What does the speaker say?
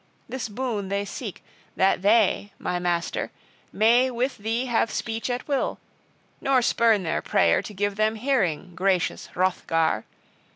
This boon they seek, that they, my master, may with thee have speech at will: nor spurn their prayer to give them hearing, gracious Hrothgar!